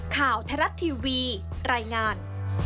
ข่าวไทยรัฐทีวีรายงาน